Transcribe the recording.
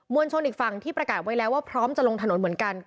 วลชนอีกฝั่งที่ประกาศไว้แล้วว่าพร้อมจะลงถนนเหมือนกัน